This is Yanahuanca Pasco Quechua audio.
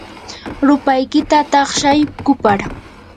rupaykita taqshay kupar.